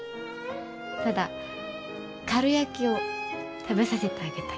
ただかるやきを食べさせてあげたい。